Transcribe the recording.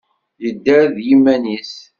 Yedda d yiman-is.